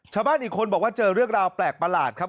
ชาวบ้านอีกคนบอกว่าเจอเรื่องราวแปลกประหลาดครับ